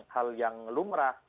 hal yang lumrah